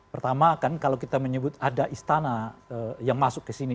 pertama kan kalau kita menyebut ada istana yang masuk ke sini